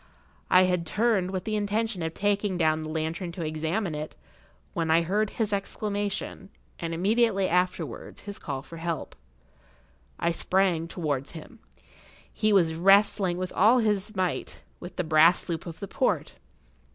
I had turned with the intention of taking down the lantern to examine it, when I heard his exclamation, and immediately afterwards his call for help. I sprang towards him. He was wrestling with all his might, with the brass loop of the port.